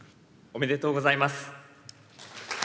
おめでとうございます。